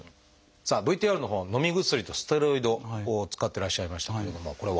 さあＶＴＲのほうはのみ薬とステロイドを使ってらっしゃいましたけれどもこれは？